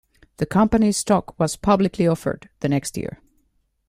The company's stock was publicly offered the next year.